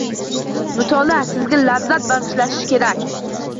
Mutolaa sizga lazzat bagʻishlashi kerak